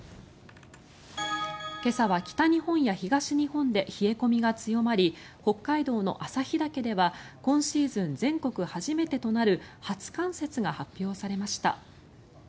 今朝は北日本や東日本で冷え込みが強まり北海道の旭岳では今シーズン全国初めてとなる初冠雪が発表されました。